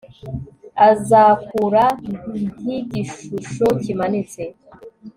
Azakura nkigishusho kimanitse